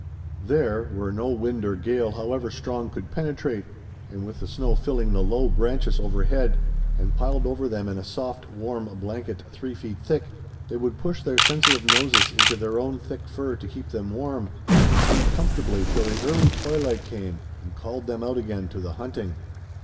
There, where no wind or gale however strong could penetrate, and with the snow filling the low branches overhead and piled over them in a soft, warm blanket three feet thick, they would push their sensitive noses into their own thick fur to keep them warm, and sleep comfortably till the early twilight came and called them out again to the hunting.